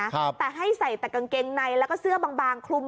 ครับแต่ให้ใส่แต่กางเกงในแล้วก็เสื้อบางบางคลุม